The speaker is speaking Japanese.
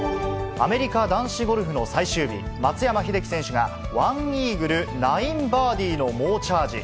アメリカ男子ゴルフの最終日、松山英樹選手が、１イーグル９バーディーの猛チャージ。